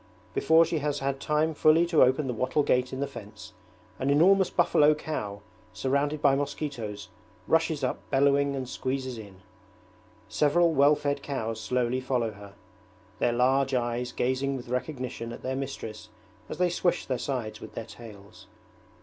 Before she has had time fully to open the wattle gate in the fence, an enormous buffalo cow surrounded by mosquitoes rushes up bellowing and squeezes in. Several well fed cows slowly follow her, their large eyes gazing with recognition at their mistress as they swish their sides with their tails.